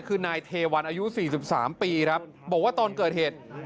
คือนายเทวันอายุ๔๓ปีครับบอกว่าตอนเกิดเหตุ